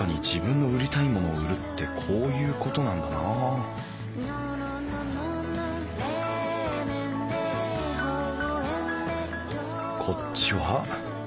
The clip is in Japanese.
自分の売りたいものを売るってこういうことなんだなこっちは？